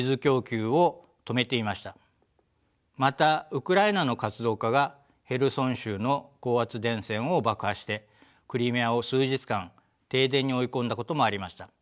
またウクライナの活動家がヘルソン州の高圧電線を爆破してクリミアを数日間停電に追い込んだこともありました。